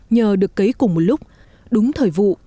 nhờ được cấy cùng một lúc đúng thời vụ